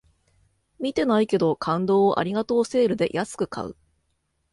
見てないけど、感動をありがとうセールで安く買う